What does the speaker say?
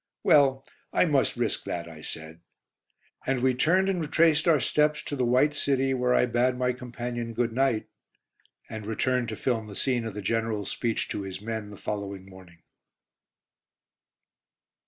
"Well, I must risk that," I said. And we turned and retraced our steps to the "White City," where I bade my companion good night, and returned to film the scene of the General's speech to his men the following morning.